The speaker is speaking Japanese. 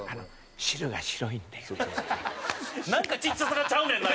なんかちっちゃさがちゃうねんな！